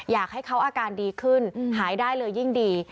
อยากให้เขาอาการดีขึ้นหายได้เลยยิ่งดี